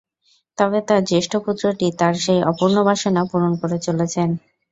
তবে তাঁর জ্যেষ্ঠ পুত্রটি তাঁর সেই অপূর্ণ বাসনা পূরণ করে চলেছেন।